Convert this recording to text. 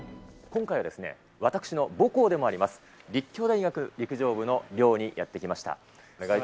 今回は私の母校でもあります、立教大学陸上部の寮にやって来ました。